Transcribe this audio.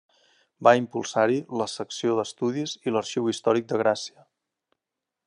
Va impulsar-hi la Secció d'Estudis i l'Arxiu Històric de Gràcia.